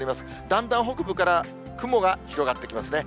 だんだん北部から雲が広がってきますね。